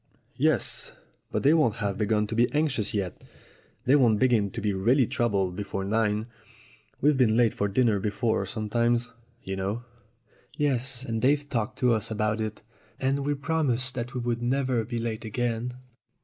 "Yes; but they won't have begun to be anxious yet. They won't begin to be really troubled before LOVERS ON AN ISLAND 263 nine. We've been late for dinner before sometimes, you know." "Yes, and they've talked to us about it. And we promised that we would never be late again."